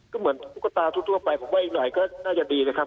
ก็เหมือนตุ๊กตาทั่วไปผมว่าอีกหน่อยก็น่าจะดีนะครับ